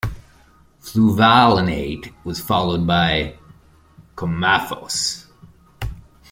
Fluvalinate was followed by coumaphos.